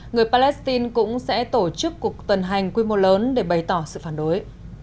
người palestine cũng sẽ tổ chức cuộc tuần hành quy mô lớn để bày tỏ sự phản đối